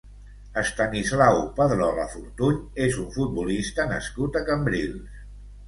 Estanislau Pedrola Fortuny és un futbolista nascut a Cambrils.